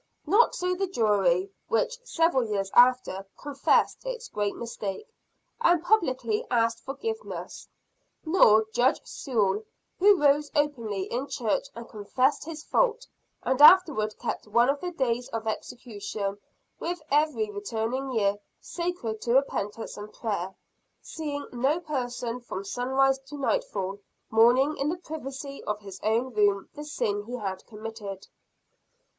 Not so the jury which, several years after, confessed its great mistake, and publicly asked forgiveness. Nor Judge Sewall, who rose openly in church, and confessed his fault, and afterward kept one of the days of execution, with every returning year, sacred to repentance and prayer seeing no person from sunrise to nightfall, mourning in the privacy of his own room the sin he had committed.